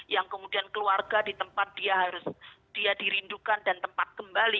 yang kemudian keluarga di tempat dia harus dia dirindukan dan tempat kembali